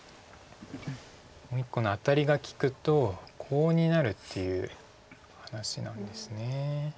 もう１個のアタリが利くとコウになるっていう話なんです。